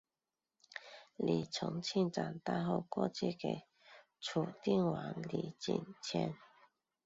李从庆长大后过继给楚定王李景迁。